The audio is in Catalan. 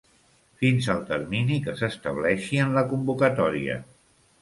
Fins al termini que s'estableixi en la convocatòria.